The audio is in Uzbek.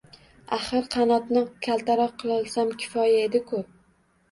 Axir, qanotni kaltaroq qilolsam kifoya edi-ku!